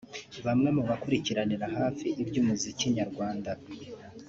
Bamwe mu bakurikiranira hafi iby’umuziki nyarwanda